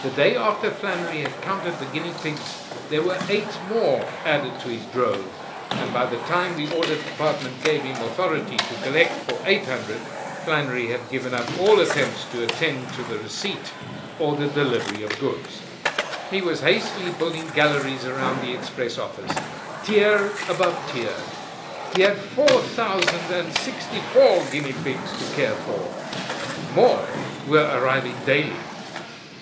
The day after Flannery had counted the guinea pigs there were eight more added to his drove, and by the time the Audit Department gave him authority to collect for eight hundred Flannery had given up all attempts to attend to the receipt or the delivery of goods. He was hastily building galleries around the express office, tier above tier. He had four thousand and sixty four guinea pigs to care for! More were arriving daily.